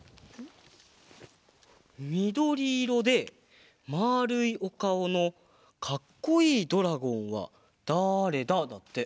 「みどりいろでまあるいおかおのかっこいいドラゴンはだれだ？」だって。